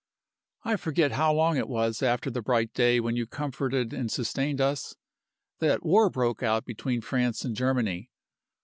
"I forget how long it was after the bright day when you comforted and sustained us that the war broke out between France and Germany.